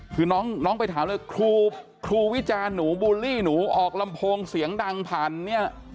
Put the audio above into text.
คือน้องไปถามเลยครูวิจารณ์หนูบูลลี่หนูออกลำโพงเสียงดังผ่านเนี่ย